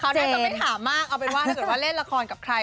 น่าจะไม่ถามมากเอาเป็นว่าถ้าเกิดว่าเล่นละครกับใคร